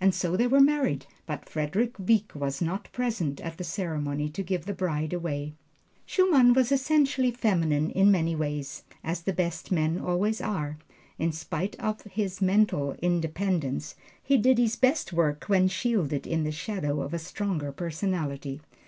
And so they were married; but Frederick Wieck was not present at the ceremony to give the bride away. Schumann was essentially feminine in many ways, as the best men always are. In spite of his mental independence, he did his best work when shielded in the shadow of a stronger personality.